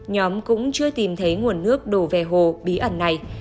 nhóm cũng chưa tìm thấy nguồn nước đổ về hồ bí ẩn này